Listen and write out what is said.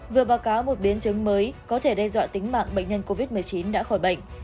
vừa báo cáo một biến chứng mới có thể đe dọa tính mạng bệnh nhân covid một mươi chín đã khỏi bệnh